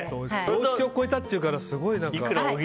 常識を超えたっていうからすごい。